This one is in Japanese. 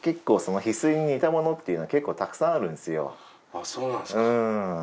あっそうなんすか。